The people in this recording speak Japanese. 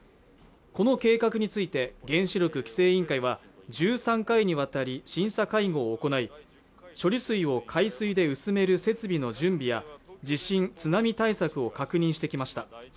この計画について原子力規制委員会は１３回にわたり審査会合を行い処理水を海水で薄める設備の準備や地震津波対策を確認してきました